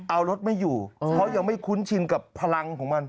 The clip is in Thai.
เอารถไม่อยู่เพราะยังไม่คุ้นชินกับพลังของมัน